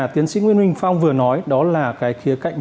tiến sĩ nguyên minh phong vừa nói